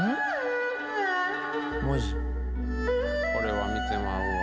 これは見てまうわ